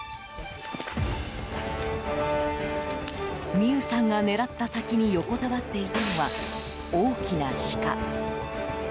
巳夢さんが狙った先に横たわっていたのは大きなシカ。